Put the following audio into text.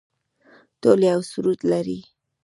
ټول یو سرود لري